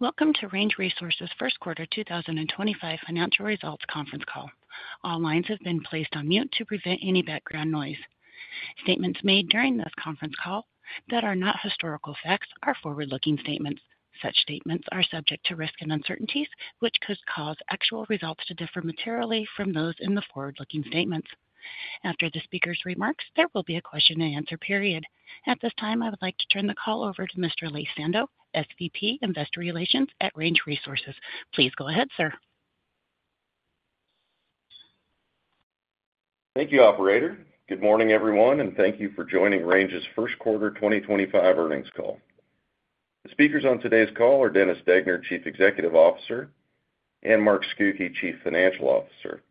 Welcome to Range Resources' Q1 2025 Financial Results Conference Call. All lines have been placed on mute to prevent any background noise. Statements made during this conference call that are not historical facts are forward-looking statements. Such statements are subject to risk and uncertainties, which could cause actual results to differ materially from those in the forward-looking statements. After the speaker's remarks, there will be a question-and-answer period. At this time, I would like to turn the call over to Mr. Laith Sando, SVP, Investor Relations at Range Resources. Please go ahead, sir. Thank you, Operator. Good morning, everyone, and thank you for joining Range's Q1 2025 earnings call. The speakers on today's call are Dennis Degner, Chief Executive Officer, and Mark Scucchi, Chief Financial Officer.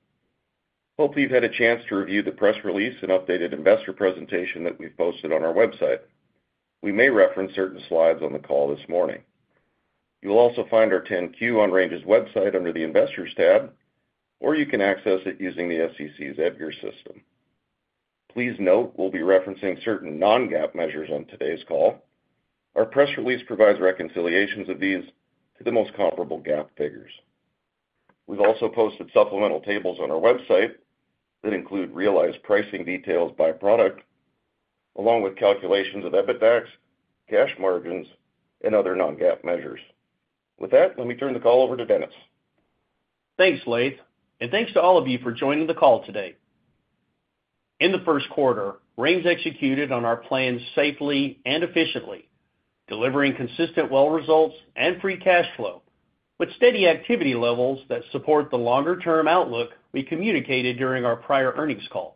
Hope you've had a chance to review the press release and updated investor presentation that we've posted on our website. We may reference certain slides on the call this morning. You'll also find our 10-Q on Range's website under the Investors tab, or you can access it using the SEC's EDGAR system. Please note we'll be referencing certain non-GAAP measures on today's call. Our press release provides reconciliations of these to the most comparable GAAP figures. We've also posted supplemental tables on our website that include realized pricing details by product, along with calculations of EBITDA, cash margins, and other non-GAAP measures. With that, let me turn the call over to Dennis. Thanks, Laith, and thanks to all of you for joining the call today. In the Q1, Range executed on our plans safely and efficiently, delivering consistent well results and free cash flow with steady activity levels that support the longer-term outlook we communicated during our prior earnings call.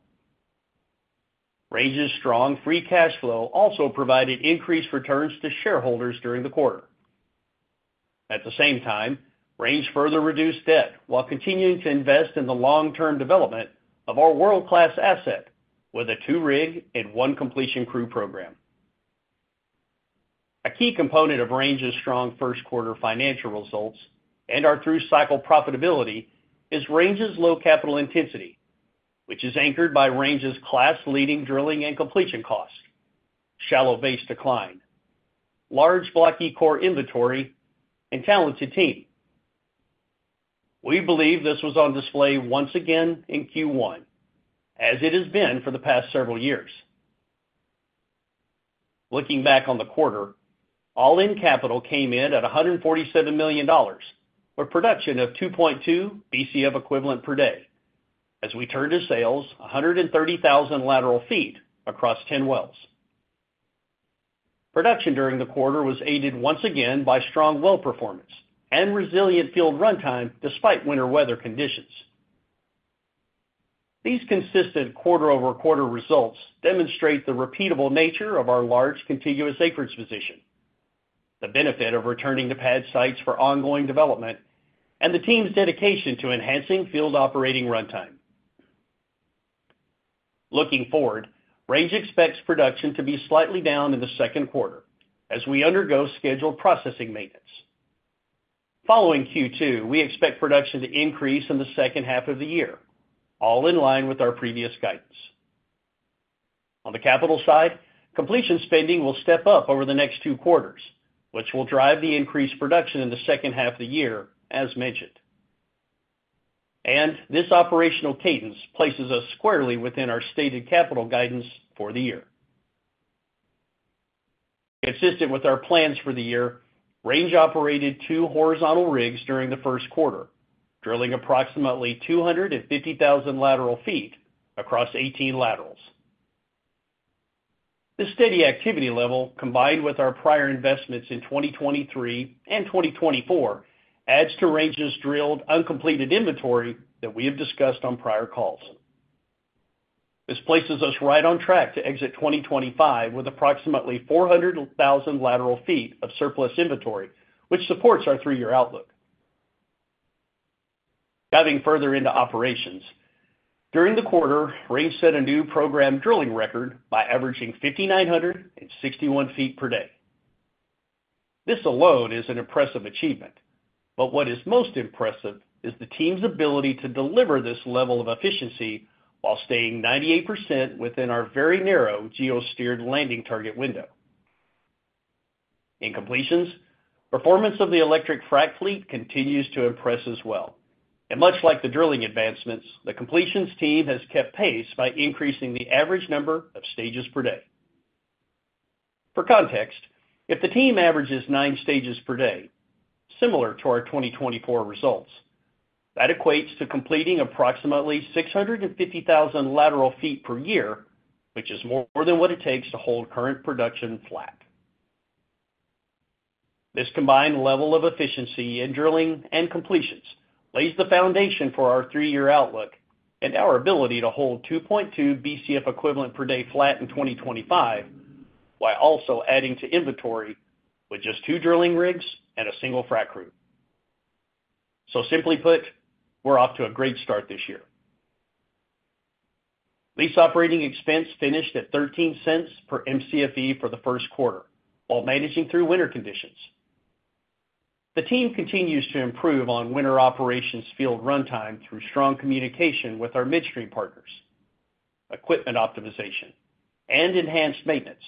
Range's strong free cash flow also provided increased returns to shareholders during the quarter. At the same time, Range further reduced debt while continuing to invest in the long-term development of our world-class asset with a two-rig and one-completion crew program. A key component of Range's strong Q1 financial results and our through-cycle profitability is Range's low capital intensity, which is anchored by Range's class-leading drilling and completion costs, shallow base decline, large blocky core inventory, and talented team. We believe this was on display once again in Q1, as it has been for the past several years. Looking back on the quarter, all-in capital came in at $147 million for production of 2.2 BCF equivalent per day, as we turned to sales 130,000 lateral feet across 10 wells. Production during the quarter was aided once again by strong well performance and resilient field runtime despite winter weather conditions. These consistent quarter-over-quarter results demonstrate the repeatable nature of our large contiguous acreage position, the benefit of returning to pad sites for ongoing development, and the team's dedication to enhancing field operating runtime. Looking forward, Range expects production to be slightly down in the Q2 as we undergo scheduled processing maintenance. Following Q2, we expect production to increase in the second half of the year, all in line with our previous guidance. On the capital side, completion spending will step up over the next two quarters, which will drive the increased production in the second half of the year, as mentioned. This operational cadence places us squarely within our stated capital guidance for the year. Consistent with our plans for the year, Range operated two horizontal rigs during the Q1, drilling approximately 250,000 lateral feet across 18 laterals. The steady activity level, combined with our prior investments in 2023 and 2024, adds to Range's drilled uncompleted inventory that we have discussed on prior calls. This places us right on track to exit 2025 with approximately 400,000 lateral feet of surplus inventory, which supports our three-year outlook. Diving further into operations, during the quarter, Range set a new program drilling record by averaging 5,961 feet per day. This alone is an impressive achievement, but what is most impressive is the team's ability to deliver this level of efficiency while staying 98% within our very narrow geosteered landing target window. In completions, performance of the electric frac fleet continues to impress as well, and much like the drilling advancements, the completions team has kept pace by increasing the average number of stages per day. For context, if the team averages nine stages per day, similar to our 2024 results, that equates to completing approximately 650,000 lateral feet per year, which is more than what it takes to hold current production flat. This combined level of efficiency in drilling and completions lays the foundation for our three-year outlook and our ability to hold 2.2 BCF equivalent per day flat in 2025, while also adding to inventory with just two drilling rigs and a single frac crew. Simply put, we're off to a great start this year. Lease operating expense finished at 13 cents per MCFE for the Q1 while managing through winter conditions. The team continues to improve on winter operations field runtime through strong communication with our midstream partners, equipment optimization, and enhanced maintenance.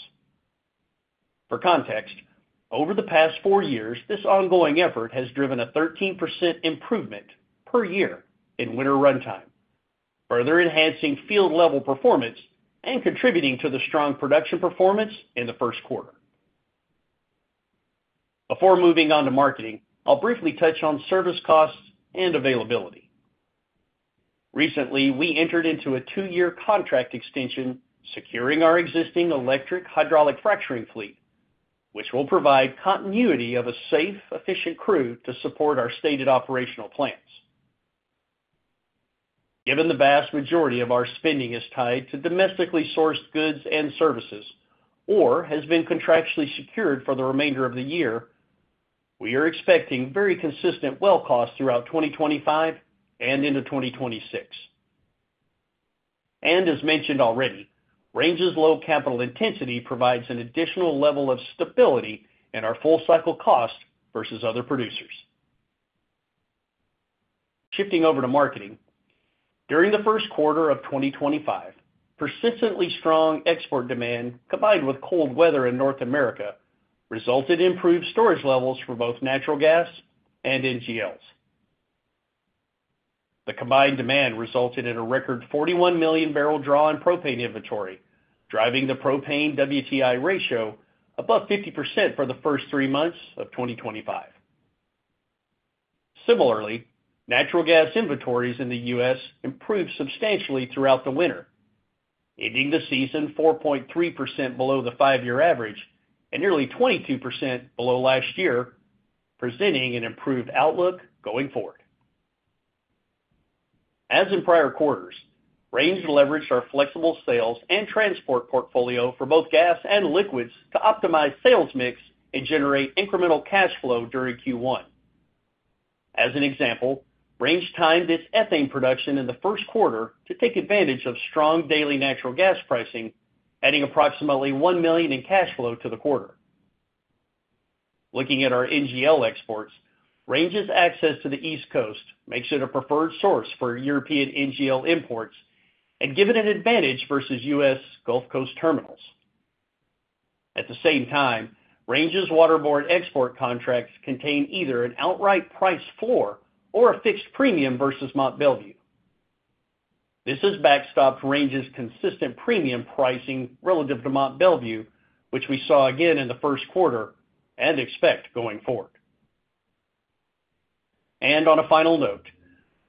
For context, over the past four years, this ongoing effort has driven a 13% improvement per year in winter runtime, further enhancing field-level performance and contributing to the strong production performance in the Q1. Before moving on to marketing, I'll briefly touch on service costs and availability. Recently, we entered into a two-year contract extension securing our existing electric hydraulic fracturing fleet, which will provide continuity of a safe, efficient crew to support our stated operational plans. Given the vast majority of our spending is tied to domestically sourced goods and services or has been contractually secured for the remainder of the year, we are expecting very consistent well costs throughout 2025 and into 2026. As mentioned already, Range's low capital intensity provides an additional level of stability in our full-cycle cost versus other producers. Shifting over to marketing, during the Q1 of 2025, persistently strong export demand combined with cold weather in North America resulted in improved storage levels for both natural gas and NGLs. The combined demand resulted in a record 41 million barrel draw in propane inventory, driving the propane-WTI ratio above 50% for the first three months of 2025. Similarly, natural gas inventories in the U.S. improved substantially throughout the winter, ending the season 4.3% below the five-year average and nearly 22% below last year, presenting an improved outlook going forward. As in prior quarters, Range leveraged our flexible sales and transport portfolio for both gas and liquids to optimize sales mix and generate incremental cash flow during Q1. As an example, Range timed its ethane production in the Q1 to take advantage of strong daily natural gas pricing, adding approximately $1 million in cash flow to the quarter. Looking at our NGL exports, Range's access to the East Coast makes it a preferred source for European NGL imports and gives it an advantage versus U.S. Gulf Coast terminals. At the same time, Range's waterborne export contracts contain either an outright price floor or a fixed premium versus Mont Belvieu. This has backstopped Range's consistent premium pricing relative to Mont Belvieu, which we saw again in the Q1 and expect going forward. On a final note,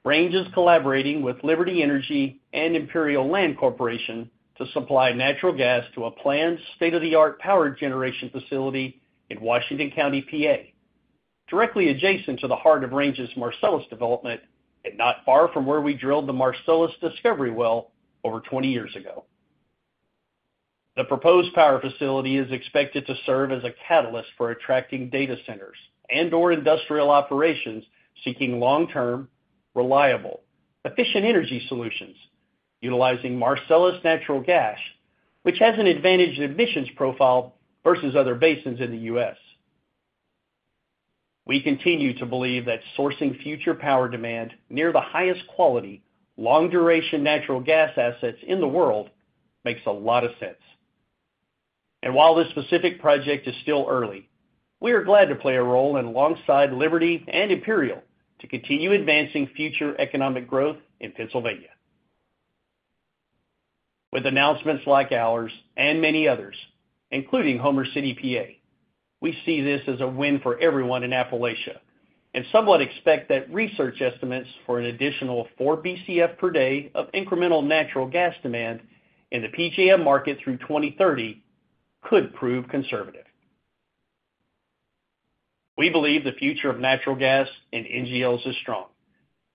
Range is collaborating with Liberty Energy and Imperial Land Corporation to supply natural gas to a planned state-of-the-art power generation facility in Washington County, PA, directly adjacent to the heart of Range's Marcellus development and not far from where we drilled the Marcellus discovery well over 20 years ago. The proposed power facility is expected to serve as a catalyst for attracting data centers and/or industrial operations seeking long-term, reliable, efficient energy solutions utilizing Marcellus natural gas, which has an advantaged emissions profile versus other basins in the U.S. We continue to believe that sourcing future power demand near the highest quality long-duration natural gas assets in the world makes a lot of sense. While this specific project is still early, we are glad to play a role alongside Liberty and Imperial to continue advancing future growth in Pennsylvania. With announcements like ours and many others, including Homer City, PA, we see this as a win for everyone in Appalachia and somewhat expect that research estimates for an additional 4 BCF per day of incremental natural gas demand in the PJM market through 2030 could prove conservative. We believe the future of natural gas and NGLs is strong,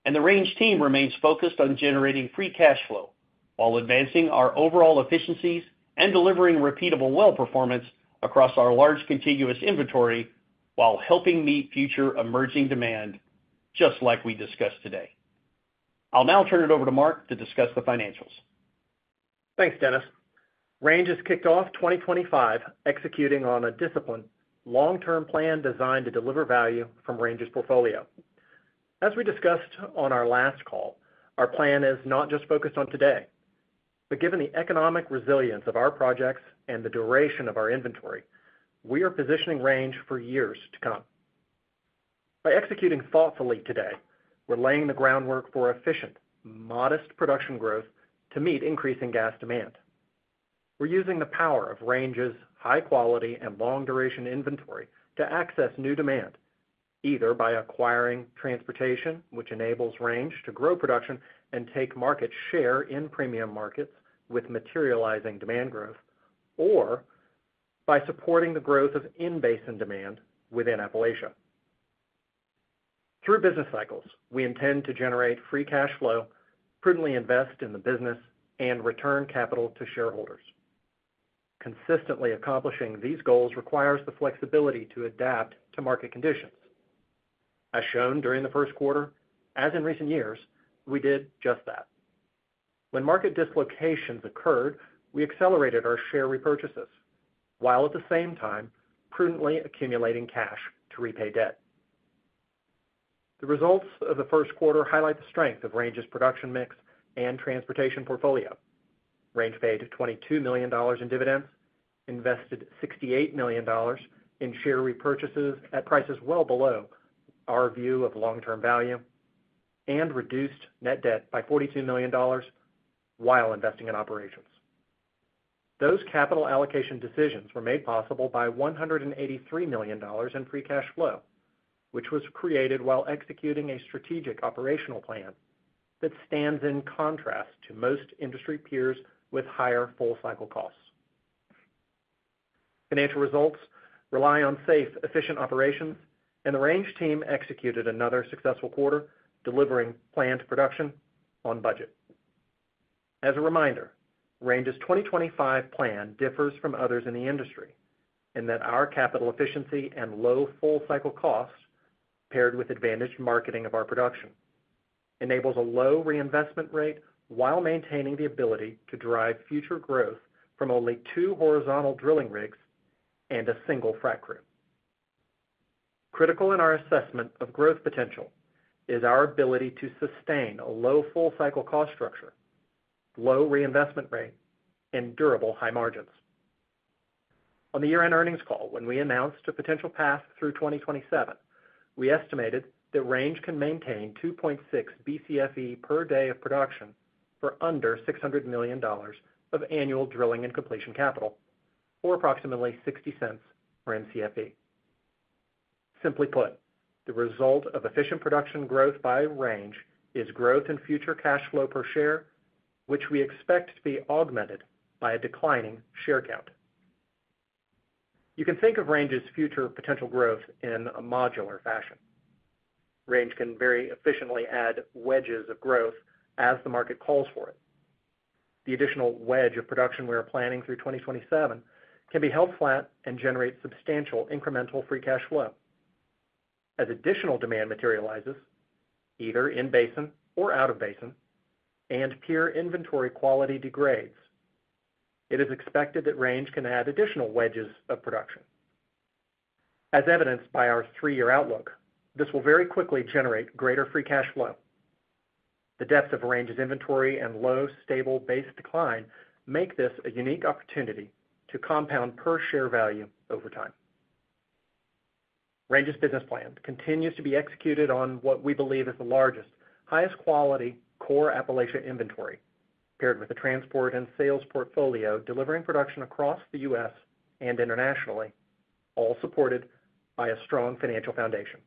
and the Range team remains focused on generating free cash flow while advancing our overall efficiencies and delivering repeatable well performance across our large contiguous inventory while helping meet future emerging demand, just like we discussed today. I'll now turn it over to Mark to discuss the financials. Thanks, Dennis. Range has kicked off 2025, executing on a disciplined long-term plan designed to deliver value from Range's portfolio. As we discussed on our last call, our plan is not just focused on today, but given the economic resilience of our projects and the duration of our inventory, we are positioning Range for years to come. By executing thoughtfully today, we're laying the groundwork for efficient, modest production growth to meet increasing gas demand. We're using the power of Range's high-quality and long-duration inventory to access new demand, either by acquiring transportation, which enables Range to grow production and take market share in premium markets with materializing demand growth, or by supporting the growth of in-basin demand within Appalachia. Through business cycles, we intend to generate free cash flow, prudently invest in the business, and return capital to shareholders. Consistently accomplishing these goals requires the flexibility to adapt to market conditions. As shown during the Q1, as in recent years, we did just that. When market dislocations occurred, we accelerated our share repurchases while at the same time prudently accumulating cash to repay debt. The results of the Q1 highlight the strength of Range's production mix and transportation portfolio. Range paid $22 million in dividends, invested $68 million in share repurchases at prices well below our view of long-term value, and reduced net debt by $42 million while investing in operations. Those capital allocation decisions were made possible by $183 million in free cash flow, which was created while executing a strategic operational plan that stands in contrast to most industry peers with higher full-cycle costs. Financial results rely on safe, efficient operations, and the Range team executed another successful quarter, delivering planned production on budget. As a reminder, Range's 2025 plan differs from others in the industry in that our capital efficiency and low full-cycle costs, paired with advantaged marketing of our production, enable a low reinvestment rate while maintaining the ability to drive future growth from only two horizontal drilling rigs and a single frac crew. Critical in our assessment of growth potential is our ability to sustain a low full-cycle cost structure, low reinvestment rate, and durable high margins. On the year-end earnings call, when we announced a potential path through 2027, we estimated that Range can maintain 2.6 BCFE per day of production for under $600 million of annual drilling and completion capital, or approximately $0.60 per MCFE. Simply put, the result of efficient production growth by Range is growth in future cash flow per share, which we expect to be augmented by a declining share count. You can think of Range's future potential growth in a modular fashion. Range can very efficiently add wedges of growth as the market calls for it. The additional wedge of production we are planning through 2027 can be held flat and generate substantial incremental free cash flow. As additional demand materializes, either in basin or out of basin, and pure inventory quality degrades, it is expected that Range can add additional wedges of production. As evidenced by our three-year outlook, this will very quickly generate greater free cash flow. The depth of Range's inventory and low, stable base decline make this a unique opportunity to compound per share value over time. Range's business plan continues to be executed on what we believe is the largest, highest-quality core Appalachia inventory, paired with a transport and sales portfolio delivering production across the U.S. and internationally, all supported by a strong financial foundation.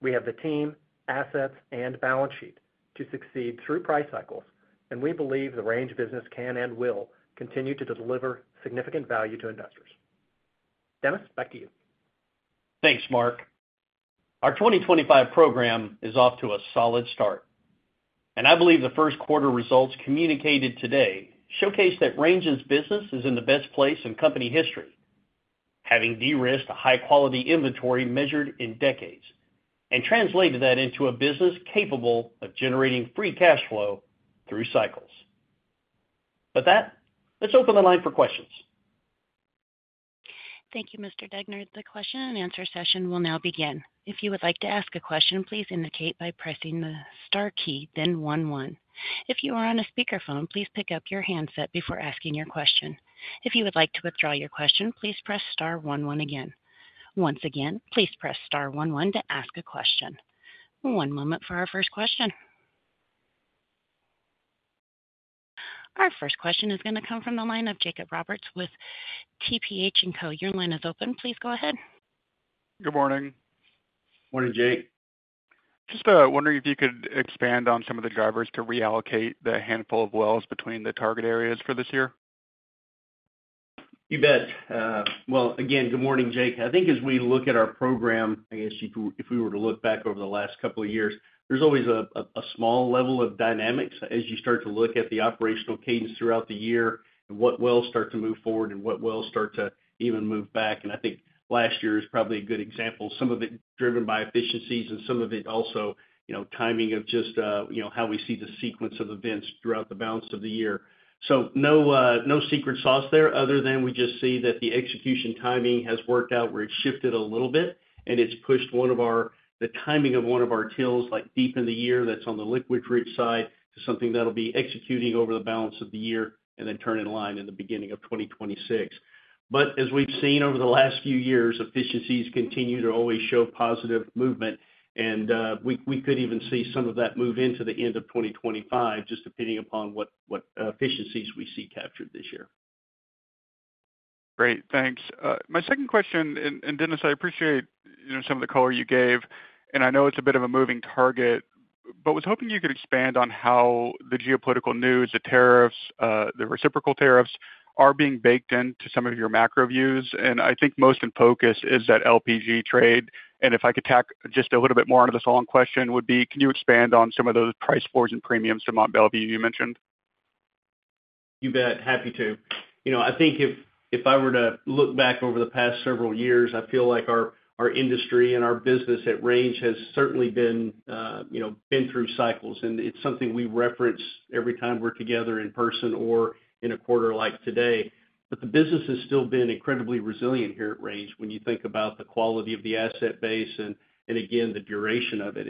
We have the team, assets, and balance sheet to succeed through price cycles, and we believe the Range business can and will continue to deliver significant value to investors. Dennis, back to you. Thanks, Mark. Our 2025 program is off to a solid start, and I believe the Q1 results communicated today showcase that Range's business is in the best place in company history, having de-risked a high-quality inventory measured in decades and translated that into a business capable of generating free cash flow through cycles. With that, let's open the line for questions. Thank you, Mr. Degner. The question and answer session will now begin. If you would like to ask a question, please indicate by pressing the star key, then 11. If you are on a speakerphone, please pick up your handset before asking your question. If you would like to withdraw your question, please press star 11 again. Once again, please press star 11 to ask a question. One moment for our first question. Our first question is going to come from the line of Jacob Roberts with TPH & Co. Your line is open. Please go ahead. Good morning. Morning, Jake. Just wondering if you could expand on some of the drivers to reallocate the handful of wells between the target areas for this year. You bet. Again, good morning, Jake. I think as we look at our program, I guess if we were to look back over the last couple of years, there's always a small level of dynamics as you start to look at the operational cadence throughout the year and what wells start to move forward and what wells start to even move back. I think last year is probably a good example, some of it driven by efficiencies and some of it also timing of just how we see the sequence of events throughout the balance of the year. No secret sauce there other than we just see that the execution timing has worked out where it's shifted a little bit and it's pushed the timing of one of our TILs like deep in the year that's on the liquid-rich side to something that'll be executing over the balance of the year and then turn in line in the beginning of 2026. As we've seen over the last few years, efficiencies continue to always show positive movement, and we could even see some of that move into the end of 2025, just depending upon what efficiencies we see captured this year. Great. Thanks. My second question, and Dennis, I appreciate some of the color you gave, and I know it's a bit of a moving target, but was hoping you could expand on how the geopolitical news, the tariffs, the reciprocal tariffs are being baked into some of your macro views. I think most in focus is that LPG trade. If I could tack just a little bit more onto this long question would be, can you expand on some of those price floors and premiums to Mont Belvieu you mentioned? You bet. Happy to. I think if I were to look back over the past several years, I feel like our industry and our business at Range has certainly been through cycles, and it's something we reference every time we're together in person or in a quarter like today. The business has still been incredibly resilient here at Range when you think about the quality of the asset base and, again, the duration of it.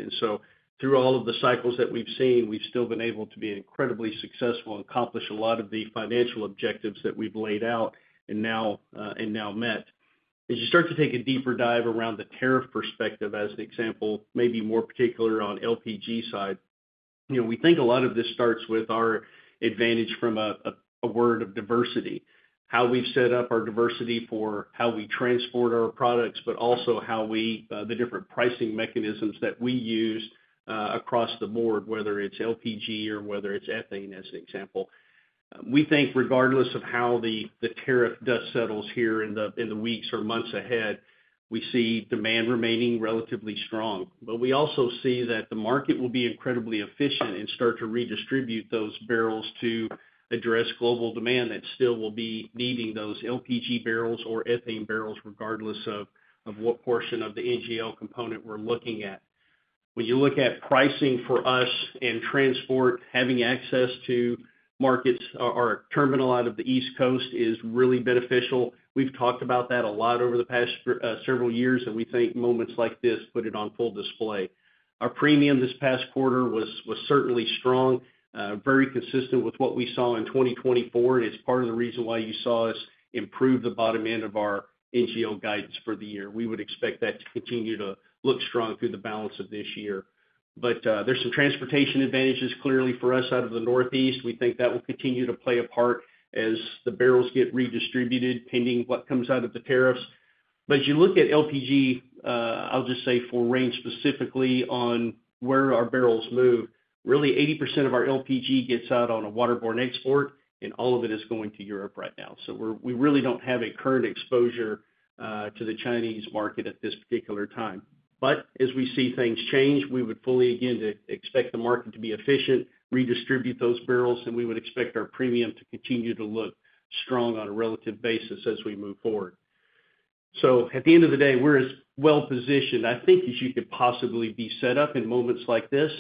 Through all of the cycles that we've seen, we've still been able to be incredibly successful and accomplish a lot of the financial objectives that we've laid out and now met. As you start to take a deeper dive around the tariff perspective as an example, maybe more particular on LPG side, we think a lot of this starts with our advantage from a word of diversity, how we've set up our diversity for how we transport our products, but also how the different pricing mechanisms that we use across the board, whether it's LPG or whether it's ethane as an example. We think regardless of how the tariff dust settles here in the weeks or months ahead, we see demand remaining relatively strong. We also see that the market will be incredibly efficient and start to redistribute those barrels to address global demand that still will be needing those LPG barrels or ethane barrels regardless of what portion of the NGL component we're looking at. When you look at pricing for us and transport, having access to markets, our terminal out of the East Coast is really beneficial. We've talked about that a lot over the past several years, and we think moments like this put it on full display. Our premium this past quarter was certainly strong, very consistent with what we saw in 2024, and it's part of the reason why you saw us improve the bottom end of our NGL guidance for the year. We would expect that to continue to look strong through the balance of this year. There are some transportation advantages clearly for us out of the Northeast. We think that will continue to play a part as the barrels get redistributed pending what comes out of the tariffs. As you look at LPG, I'll just say for Range specifically on where our barrels move, really 80% of our LPG gets out on a waterborne export, and all of it is going to Europe right now. We really don't have a current exposure to the Chinese market at this particular time. As we see things change, we would fully again expect the market to be efficient, redistribute those barrels, and we would expect our premium to continue to look strong on a relative basis as we move forward. At the end of the day, we're as well positioned, I think, as you could possibly be set up in moments like this.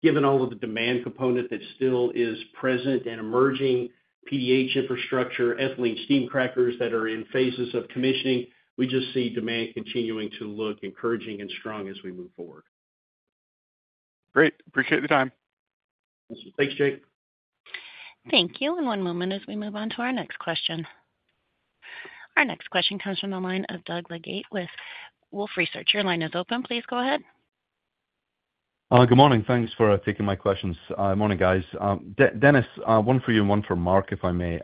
Given all of the demand component that still is present and emerging, PDH infrastructure, ethylene steam crackers that are in phases of commissioning, we just see demand continuing to look encouraging and strong as we move forward. Great. Appreciate the time. Thanks, Jake. Thank you. One moment as we move on to our next question. Our next question comes from the line of Doug Leggate with Wolfe Research. Your line is open. Please go ahead. Good morning. Thanks for taking my questions. Morning, guys. Dennis, one for you and one for Mark, if I may.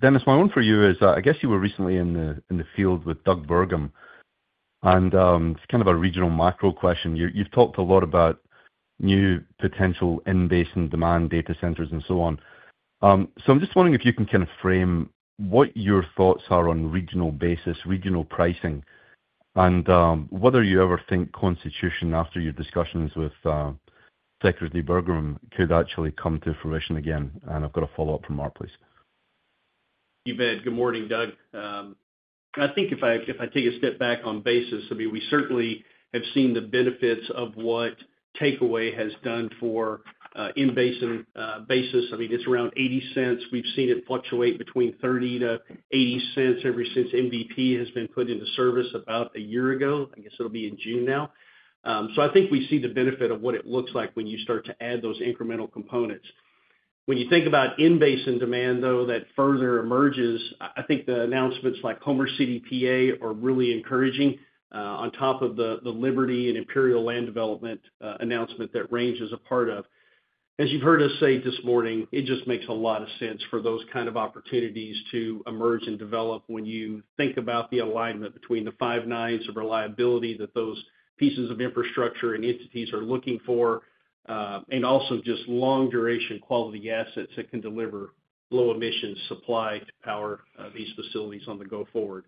Dennis, my one for you is I guess you were recently in the field with Doug Burgum, and it's kind of a regional macro question. You've talked a lot about new potential in-basin demand data centers and so on. I am just wondering if you can kind of frame what your thoughts are on regional basis, regional pricing, and whether you ever think constitution after your discussions with Secretary Burgum could actually come to fruition again. I have got a follow-up for Mark, please. You bet. Good morning, Doug. I think if I take a step back on basis, I mean, we certainly have seen the benefits of what takeaway has done for in-basin basis. I mean, it's around 80 cents. We've seen it fluctuate between 30-80 cents ever since MVP has been put into service about a year ago. I guess it'll be in June now. I think we see the benefit of what it looks like when you start to add those incremental components. When you think about in-basin demand, though, that further emerges, I think the announcements like Homer City, PA are really encouraging on top of the Liberty and Imperial Land development announcement that Range is a part of. As you've heard us say this morning, it just makes a lot of sense for those kind of opportunities to emerge and develop when you think about the alignment between the five nines of reliability that those pieces of infrastructure and entities are looking for, and also just long-duration quality assets that can deliver low-emission supply to power these facilities on the go forward.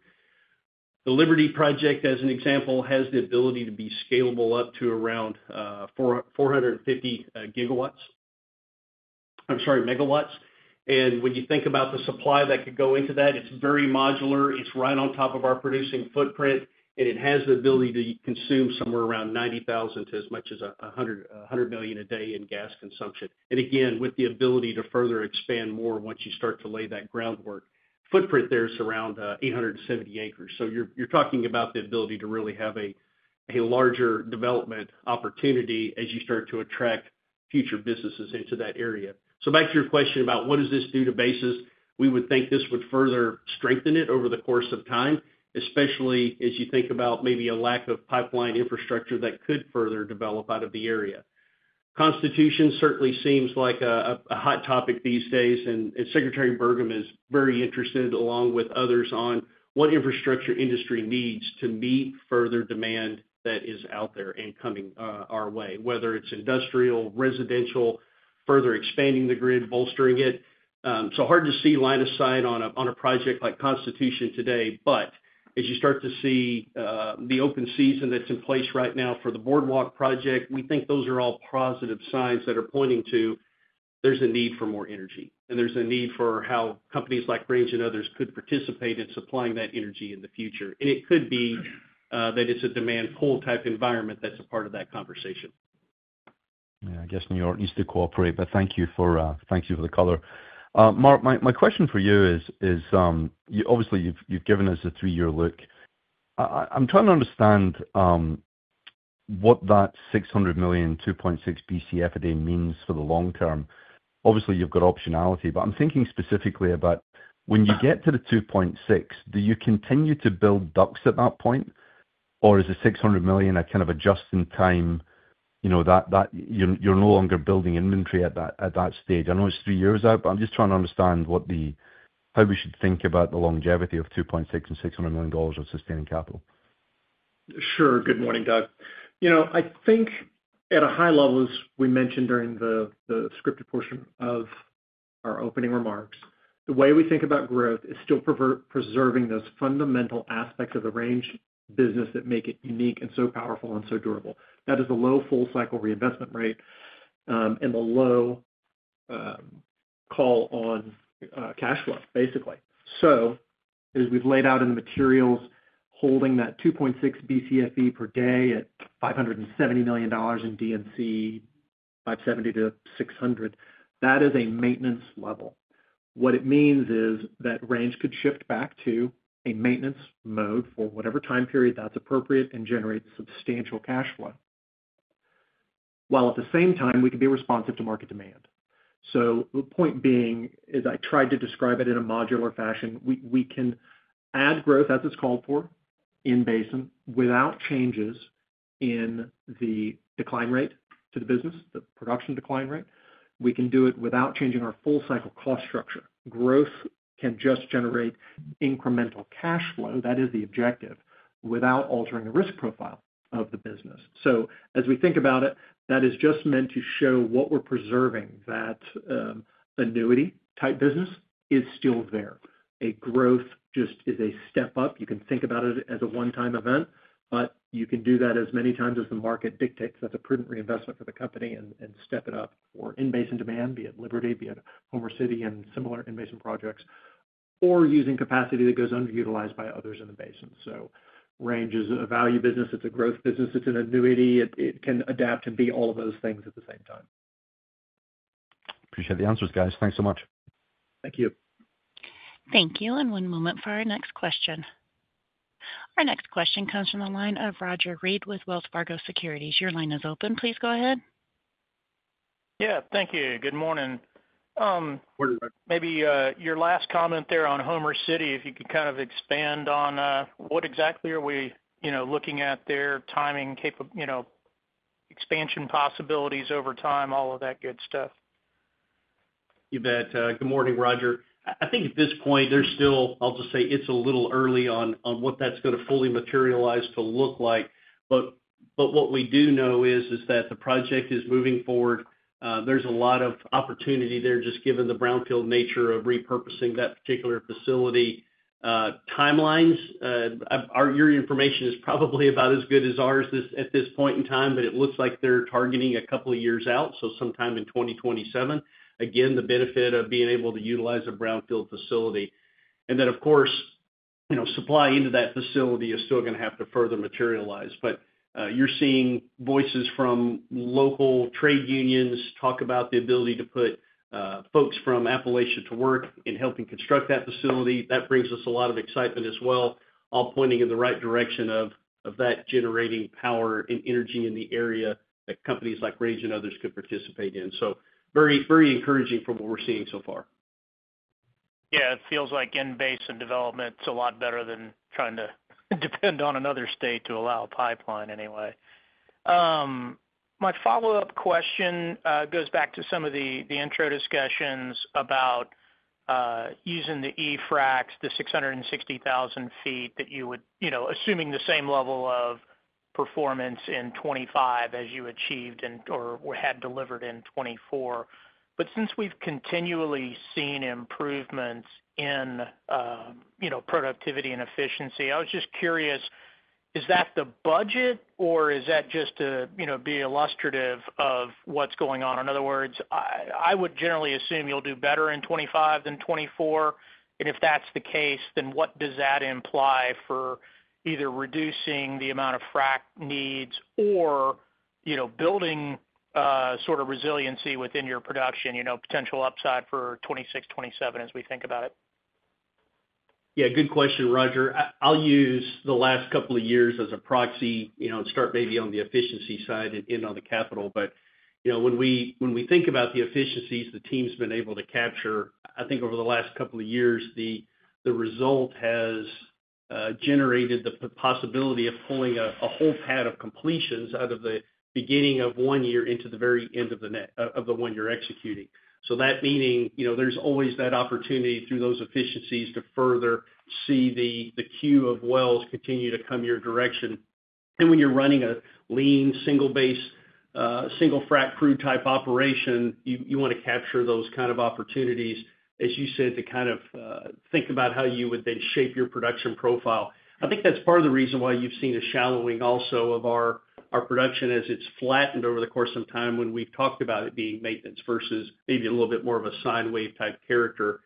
The Liberty project, as an example, has the ability to be scalable up to around 450 megawatts—I'm sorry, megawatts. When you think about the supply that could go into that, it's very modular. It's right on top of our producing footprint, and it has the ability to consume somewhere around 90,000 to as much as 100 million a day in gas consumption. Again, with the ability to further expand more once you start to lay that groundwork, footprint there is around 870 acres. You're talking about the ability to really have a larger development opportunity as you start to attract future businesses into that area. Back to your question about what does this do to basis, we would think this would further strengthen it over the course of time, especially as you think about maybe a lack of pipeline infrastructure that could further develop out of the area. Constitution certainly seems like a hot topic these days, and Secretary Burgum is very interested, along with others, on what infrastructure industry needs to meet further demand that is out there and coming our way, whether it's industrial, residential, further expanding the grid, bolstering it. Is hard to see line of sight on a project like Constitution today, but as you start to see the open season that is in place right now for the Boardwalk project, we think those are all positive signs that are pointing to there is a need for more energy, and there is a need for how companies like Range and others could participate in supplying that energy in the future. It could be that it is a demand-pull type environment that is a part of that conversation. Yeah. I guess New York needs to cooperate, but thank you for the color. Mark, my question for you is, obviously, you've given us a three-year look. I'm trying to understand what that $600 million, 2.6 BCF a day means for the long term. Obviously, you've got optionality, but I'm thinking specifically about when you get to the 2.6, do you continue to build at that point, or is the $600 million a kind of adjusting time that you're no longer building inventory at that stage? I know it's three years out, but I'm just trying to understand how we should think about the longevity of 2.6 and $600 million of sustaining capital. Sure. Good morning, Doug. I think at a high level, as we mentioned during the scripted portion of our opening remarks, the way we think about growth is still preserving those fundamental aspects of the Range business that make it unique and so powerful and so durable. That is the low full-cycle reinvestment rate and the low call on cash flow, basically. As we've laid out in the materials, holding that 2.6 BCFE per day at $570 million in D&C, $570-$600 million, that is a maintenance level. What it means is that Range could shift back to a maintenance mode for whatever time period that's appropriate and generate substantial cash flow, while at the same time, we could be responsive to market demand. The point being is I tried to describe it in a modular fashion. We can add growth as it's called for in-basin without changes in the decline rate to the business, the production decline rate. We can do it without changing our full-cycle cost structure. Growth can just generate incremental cash flow. That is the objective without altering the risk profile of the business. As we think about it, that is just meant to show what we're preserving, that annuity-type business is still there. Growth just is a step up. You can think about it as a one-time event, but you can do that as many times as the market dictates. That's a prudent reinvestment for the company and step it up for in-basin demand, be it Liberty, be it Homer City, and similar in-basin projects, or using capacity that goes underutilized by others in the basin. Range is a value business. It's a growth business. It's an annuity. It can adapt and be all of those things at the same time. Appreciate the answers, guys. Thanks so much. Thank you. Thank you. One moment for our next question. Our next question comes from the line of Roger Read with Wells Fargo Securities. Your line is open. Please go ahead. Yeah. Thank you. Good morning. Morning, Doug. Maybe your last comment there on Homer City, if you could kind of expand on what exactly are we looking at there, timing, expansion possibilities over time, all of that good stuff. You bet. Good morning, Roger. I think at this point, there's still, I'll just say it's a little early on what that's going to fully materialize to look like. What we do know is that the project is moving forward. There's a lot of opportunity there just given the brownfield nature of repurposing that particular facility timelines. Your information is probably about as good as ours at this point in time, but it looks like they're targeting a couple of years out, so sometime in 2027. The benefit of being able to utilize a brownfield facility. Of course, supply into that facility is still going to have to further materialize. You're seeing voices from local trade unions talk about the ability to put folks from Appalachia to work in helping construct that facility. That brings us a lot of excitement as well, all pointing in the right direction of that generating power and energy in the area that companies like Range and others could participate in. Very encouraging from what we're seeing so far. Yeah. It feels like in-basin development's a lot better than trying to depend on another state to allow a pipeline anyway. My follow-up question goes back to some of the intro discussions about using the e-fracs, the 660,000 feet that you would assuming the same level of performance in 2025 as you achieved or had delivered in 2024. Since we've continually seen improvements in productivity and efficiency, I was just curious, is that the budget, or is that just to be illustrative of what's going on? In other words, I would generally assume you'll do better in 2025 than 2024. If that's the case, then what does that imply for either reducing the amount of frac needs or building sort of resiliency within your production, potential upside for 2026, 2027 as we think about it? Yeah. Good question, Roger. I'll use the last couple of years as a proxy and start maybe on the efficiency side and end on the capital. When we think about the efficiencies the team's been able to capture, I think over the last couple of years, the result has generated the possibility of pulling a whole pad of completions out of the beginning of one year into the very end of the one you're executing. That meaning there's always that opportunity through those efficiencies to further see the queue of wells continue to come your direction. When you're running a lean single-frac crew type operation, you want to capture those kind of opportunities, as you said, to kind of think about how you would then shape your production profile. I think that's part of the reason why you've seen a shallowing also of our production as it's flattened over the course of time when we've talked about it being maintenance versus maybe a little bit more of a sine wave type character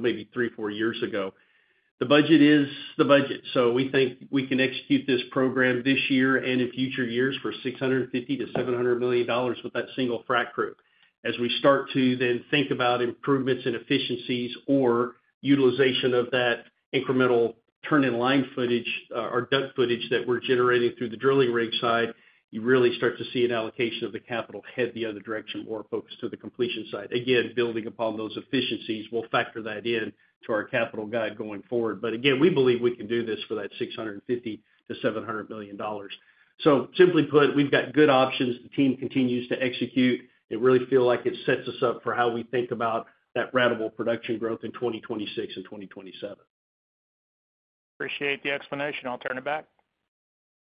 maybe three, four years ago. The budget is the budget. We think we can execute this program this year and in future years for $650 million-$700 million with that single frac crew. As we start to then think about improvements in efficiencies or utilization of that incremental turn-in-line footage or drilled uncompleted footage that we're generating through the drilling rig side, you really start to see an allocation of the capital head the other direction more focused to the completion side. Again, building upon those efficiencies, we'll factor that into our capital guide going forward. Again, we believe we can do this for that $650 million-$700 million. Simply put, we've got good options. The team continues to execute. It really feels like it sets us up for how we think about that radical production growth in 2026 and 2027. Appreciate the explanation. I'll turn it back.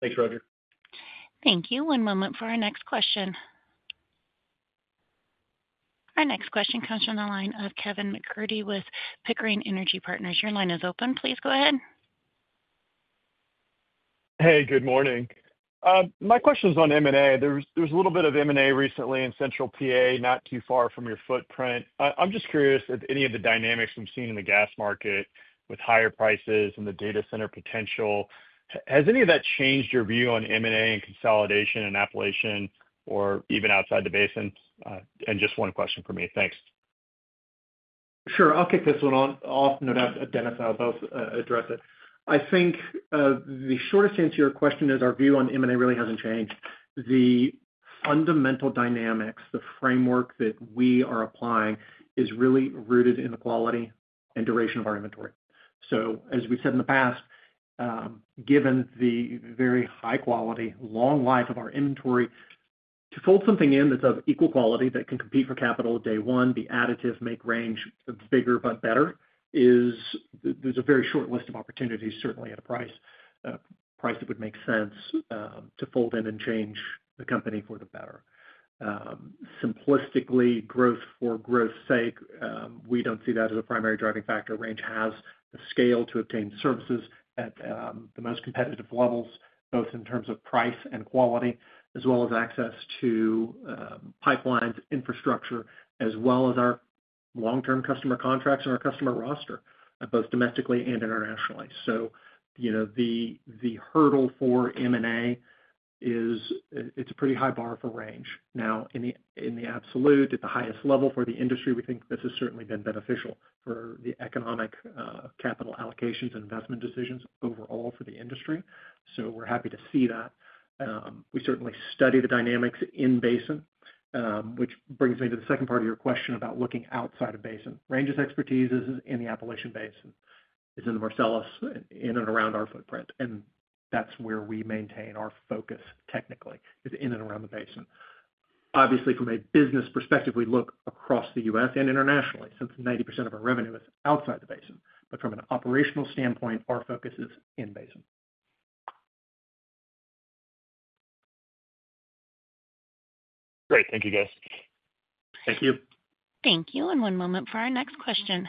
Thanks, Roger. Thank you. One moment for our next question. Our next question comes from the line of Kevin MacCurdy with Pickering Energy Partners. Your line is open. Please go ahead. Hey, good morning. My question is on M&A. There was a little bit of M&A recently in Central PA, not too far from your footprint. I'm just curious if any of the dynaMikes we've seen in the gas market with higher prices and the data center potential, has any of that changed your view on M&A and consolidation in Appalachia or even outside the basin? Just one question for me. Thanks. Sure. I'll kick this one off, and then Dennis will address it. I think the shortest answer to your question is our view on M&A really hasn't changed. The fundamental dynaMikes, the framework that we are applying is really rooted in the quality and duration of our inventory. As we've said in the past, given the very high quality, long life of our inventory, to fold something in that's of equal quality that can compete for capital day one, be additive, make Range bigger but better, there's a very short list of opportunities, certainly at a price that would make sense to fold in and change the company for the better. Simplistically, growth for growth's sake, we don't see that as a primary driving factor. Range has the scale to obtain services at the most competitive levels, both in terms of price and quality, as well as access to pipelines, infrastructure, as well as our long-term customer contracts and our customer roster both domestically and internationally. The hurdle for M&A is it's a pretty high bar for Range. In the absolute, at the highest level for the industry, we think this has certainly been beneficial for the economic capital allocations and investment decisions overall for the industry. We are happy to see that. We certainly study the dynaMikes in-basin, which brings me to the second part of your question about looking outside of basin. Range's expertise is in the Appalachian Basin. It's in the Marcellus in and around our footprint. That's where we maintain our focus technically. It's in and around the basin. Obviously, from a business perspective, we look across the U.S. and internationally since 90% of our revenue is outside the basin. From an operational standpoint, our focus is in-basin. Great. Thank you, guys. Thank you. Thank you. One moment for our next question.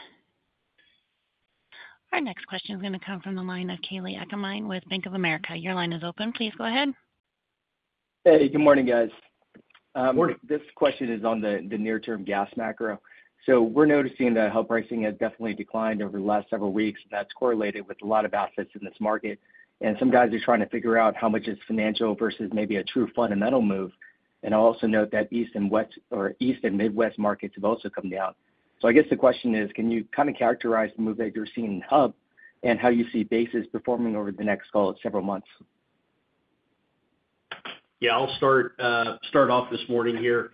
Our next question is going to come from the line of Kalei Akamine with Bank of America. Your line is open. Please go ahead. Hey. Good morning, guys. This question is on the near-term gas macro. We're noticing that our pricing has definitely declined over the last several weeks, and that's correlated with a lot of assets in this market. Some guys are trying to figure out how much is financial versus maybe a true fundamental move. I'll also note that East and Midwest markets have also come down. I guess the question is, can you kind of characterize the move that you're seeing in hub and how you see basis performing over the next several months? Yeah. I'll start off this morning here.